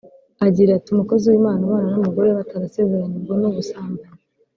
agira ati «Umukozi w’Imana ubana n’umugore we batarasezeranye ubwo ni ubusambanyi